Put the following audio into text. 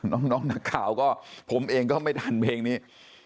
น้องนักข่าวก็ผมเองก็ไม่ทันเพลงนี้